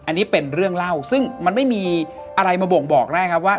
อันนี้เป็นเรื่องเล่าซึ่งมันไม่มีอะไรมาบ่งบอกได้ครับว่า